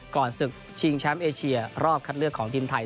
ศึกชิงแชมป์เอเชียรอบคัดเลือกของทีมไทย